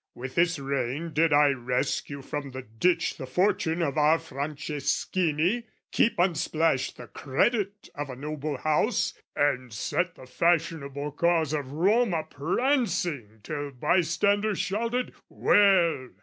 "With this rein did I rescue from the ditch "The fortune of our Franceschini, keep "Unsplashed the credit of a noble House, "And set the fashionable cause of Rome "A prancing till bystanders shouted ''ware!'